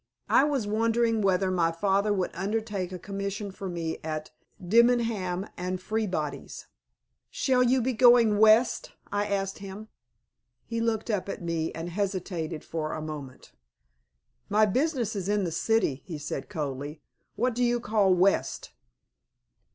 I was wondering whether my father would undertake a commission for me at Debenham and Freebody's. "Shall you be going West?" I asked him. He looked up at me and hesitated for a moment. "My business is in the city," he said, coldly. "What do you call West?"